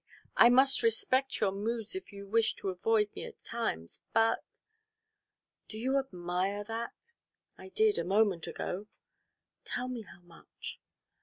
I must respect your moods if you wish to avoid me at times but " "Do you admire that?" "I did a moment ago." "Tell me how much."